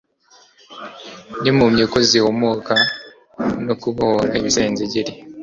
n'impumyi ko zihumuka no kubohora ibisenzegeri. »